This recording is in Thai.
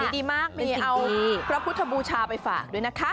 ดีมากมีเอาพระพุทธบูชาไปฝากด้วยนะคะ